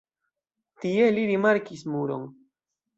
Tie li rimarkis muron.